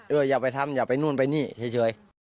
อย่าไปทำอย่าไปนู่นไปนี่เฉย